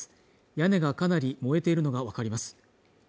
屋根がかなり燃えているのが分かります